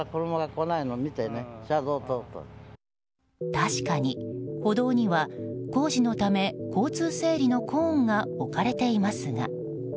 確かに歩道には工事のため交通整理のコーンが置かれていますが。